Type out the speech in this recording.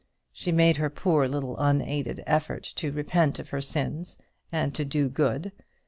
She made her poor little unaided effort to repent of her sins, and to do good.